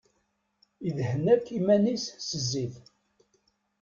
Idhen akk iman-is s zzit.